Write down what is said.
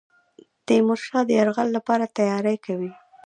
تیمورشاه د یرغل لپاره تیاری کوي.